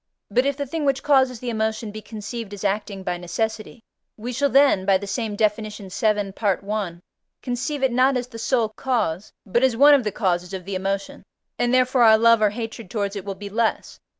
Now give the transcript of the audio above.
But if the thing which causes the emotion be conceived as acting by necessity, we shall then (by the same Def. vii. Part I.) conceive it not as the sole cause, but as one of the causes of the emotion, and therefore our love or hatred towards it will be less.